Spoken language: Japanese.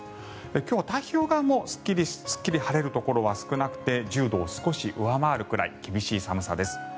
今日は太平洋側もすっきり晴れるところは少なくて１０度を少し上回るくらい厳しい寒さです。